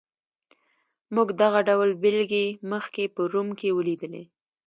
موږ دغه ډول بېلګې مخکې په روم کې ولیدلې.